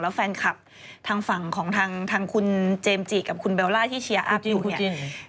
แล้วแฟนคลับทางฝั่งของทางคุณเจมส์จิกับคุณเบลล่าที่เชียร์อัพอยู่เนี่ย